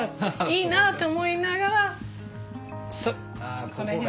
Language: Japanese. いいなと思いながらスッこの辺で。